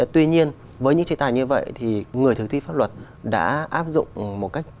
tuy nhiên với những chế tài như vậy thì người thực thi pháp luật đã áp dụng một cách